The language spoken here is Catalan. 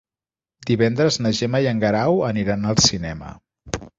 Divendres na Gemma i en Guerau aniran al cinema.